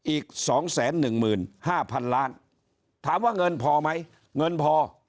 อีก๒๑๕๐๐๐ล้านถามว่าเงินพอไหมเงินพอ